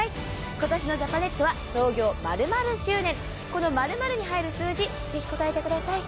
今年のジャパネットは創業○○周年、この○○に入る数字をぜひ答えてください。